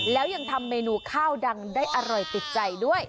แล้วยังทำเมนูข้าวดังได้อร่อยติดใจด้วย